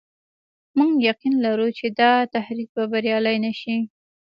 موږ يقين لرو چې دا تحریک به بریالی نه شي.